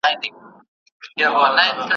ستاسو په زړه کي به د میني ډیوه بله وي.